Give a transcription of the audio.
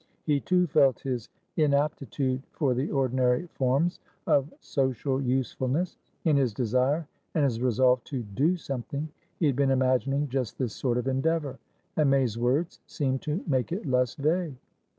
He, too, felt his inaptitude for the ordinary forms of "social" usefulness; in his desire and his resolve to "do something," he had been imagining just this sort of endeavour, and May's words seemed to make it less vague.